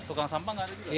tukang sampah nggak ada juga